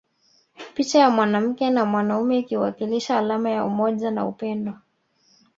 Picha ya mwanamke na mwanaume ikiwakilisha alama ya umoja na upendo